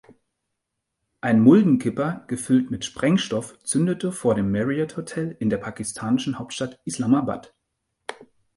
Ein Muldenkipper gefüllt mit Sprengstoff zündete vor dem Marriott-Hotel in der pakistanischen Hauptstadt Islamabad.